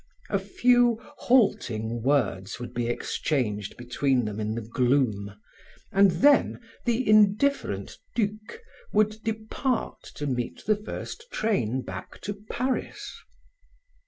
A few, halting words would be exchanged between them in the gloom and then the indifferent duc would depart to meet the first train back to Paris.